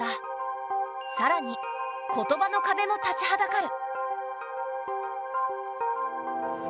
さらに言葉の壁も立ちはだかる。